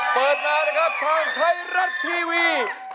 เปิดมานะครับทางไทยรัฐทีวี